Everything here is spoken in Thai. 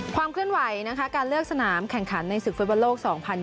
ความเคลื่อนไหวนะคะการเลือกสนามแข่งขันในศึกฟุตบอลโลก๒๐๒๐